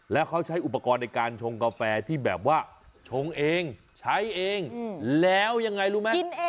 แล้วเขาใช้อุปกรณ์ในการชงกาแฟที่แบบว่าชงเองใช้เองแล้วยังไงรู้ไหม